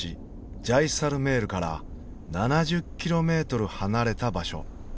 ジャイサルメールから７０ｋｍ離れた場所。